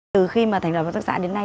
từ khi mà thành lập tác xã đến nay